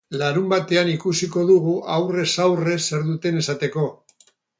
Larunbatean ikusiko dugu aurrez aurre zer duten esateko.